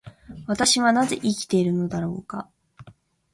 私はなぜ生きているのだろうか。